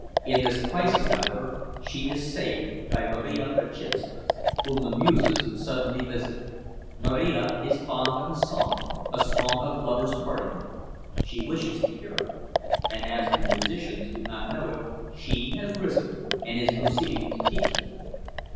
In this crisis, however, she is saved by Marija Berczynskas, whom the muses suddenly visit. Marija is fond of a song, a song of lovers' parting; she wishes to hear it, and, as the musicians do not know it, she has risen, and is proceeding to teach them.